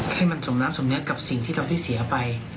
ให้มันสมน้ำสมเนื้อกับสิ่งที่เราได้เสียไป